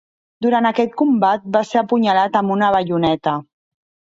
Durant aquest combat va ser apunyalat amb una baioneta.